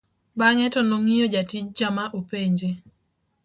bang'e to nong'iyo jatijcha ma openje